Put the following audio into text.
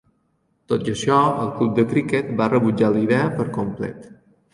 Tot i això, el club de criquet va rebutjar la idea per complet.